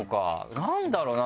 何だろうな？